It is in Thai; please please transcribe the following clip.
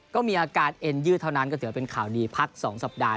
ก็มีอาการเอ็นยืดเท่านั้นก็ถือว่าเป็นข่าวดีพัก๒สัปดาห